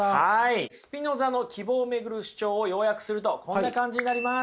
スピノザの希望を巡る主張を要約するとこんな感じになります。